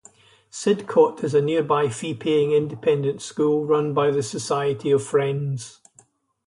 Sidcot is a nearby fee-paying independent school run by the Society of Friends.